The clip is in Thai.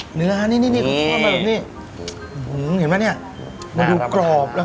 ฮ่า